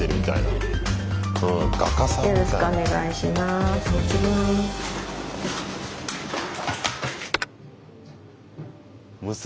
よろしくお願いします。